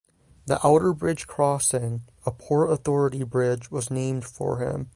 The Outerbridge Crossing, a Port Authority bridge, was named for him.